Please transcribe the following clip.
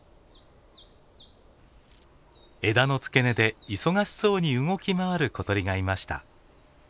枝の付け根で忙しそうに動き回る小鳥がいました。